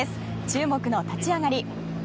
注目の立ち上がり。